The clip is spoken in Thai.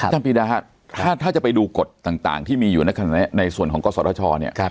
ท่านพิดาถ้าจะไปดูกฎต่างที่มีอยู่ในส่วนของกศเนี่ย